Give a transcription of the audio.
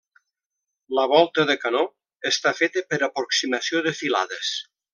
La volta de canó està feta per aproximació de filades.